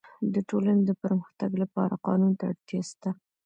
د ټولني د پرمختګ لپاره قانون ته اړتیا سته.